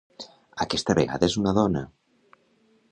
Aquesta vegada és una dona.